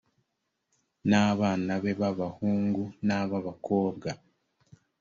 n abana be b abahungu n ab abakobwa